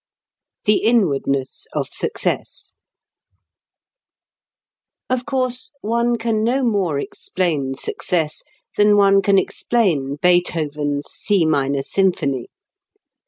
THE INWARDNESS OF SUCCESS Of course, one can no more explain success than one can explain Beethoven's C minor symphony.